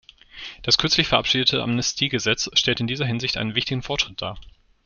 Das kürzlich verabschiedete Amnestiegesetz stellt in dieser Hinsicht einen wichtigen Fortschritt dar.